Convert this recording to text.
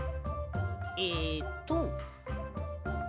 えっと。